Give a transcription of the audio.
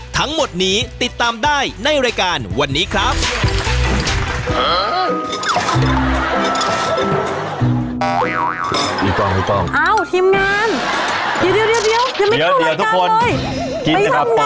ทั้งหมดนี้ติดตามได้ในรายการวันนี้ครับ